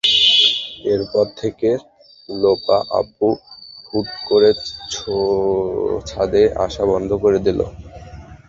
এরপর থেকে লোপা আপু হুট করে ছাদে আসা বন্ধ করে দিল।